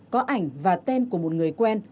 có ảnh và tên của một người quen